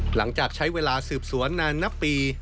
หลังจากใช้เวลาสืบสวนนานนับปี